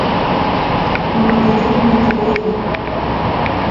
Мы паглядзелі нейкі баявік.